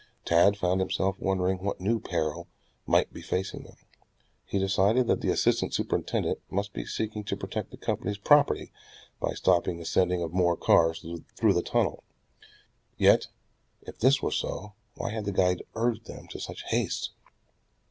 Tad found himself wondering what new peril might be facing them. He decided that the assistant superintendent must be seeking to protect the company's property by stopping the sending of more cars through the tunnel. Yet, if this were so, why had the guide urged them to such haste.